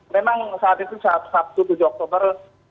memang saat itu sabtu tujuh oktober